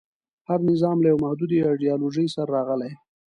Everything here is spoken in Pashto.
هر نظام له یوې محدودې ایډیالوژۍ سره راغلی.